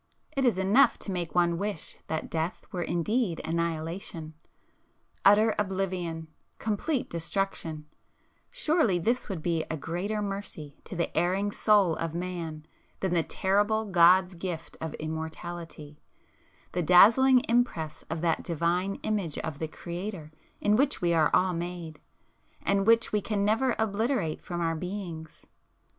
It is enough to make one wish that death were indeed annihilation! Utter oblivion,—complete destruction,—surely this would be a greater mercy to the erring soul of man than the terrible God's gift of Immortality,—the dazzling impress of that divine 'Image' of the Creator in which we are all made, and which we can never obliterate from our beings.